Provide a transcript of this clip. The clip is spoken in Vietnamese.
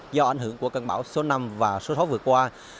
do ảnh hưởng của cơn bão số năm và số thóc vừa qua